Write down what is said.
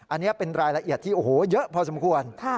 อันนี้เป็นรายละเอียดที่โอ้โหเยอะพอสมควร